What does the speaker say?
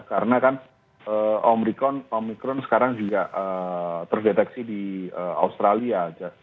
karena kan omikron sekarang juga terdeteksi di australia